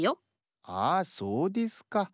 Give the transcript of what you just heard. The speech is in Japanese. そうですか。